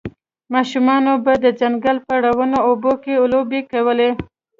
ماشومانو به د ځنګل په روڼو اوبو کې لوبې کولې